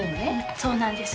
そうなんです。